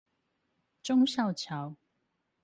忠孝橋